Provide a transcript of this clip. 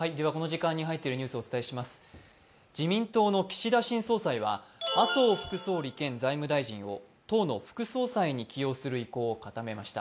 自民党の岸田新総裁は麻生副総理兼財務大臣を党の副総裁に起用する意向を固めました。